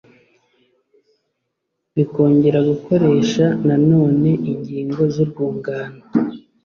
bikongera gukoresha na none ingingo zurwungano